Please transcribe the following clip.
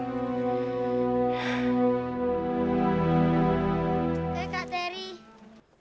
hei kak terry